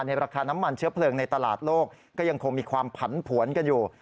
ราคาน้ำมันเชื้อเพลิงในตลาดโลกก็ยังคงมีความผันผวนกันอยู่